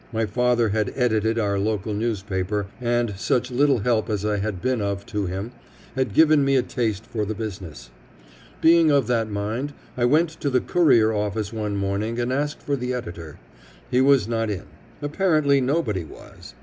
My father had edited our local newspaper, and such little help as I had been of to him had given me a taste for the business. Being of that mind, I went to the Courier office one morning and asked for the editor. He was not in. Apparently nobody was.